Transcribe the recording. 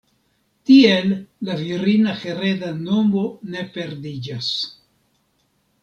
Tiel la virina hereda nomo ne perdiĝas.